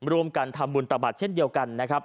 ร่วมกันทำบุญตบัตรเช่นเดียวกันนะครับ